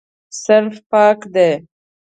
صنف پاک دی.